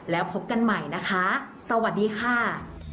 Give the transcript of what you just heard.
แล้วพบกันใหม่นะคะสวัสดีค่ะ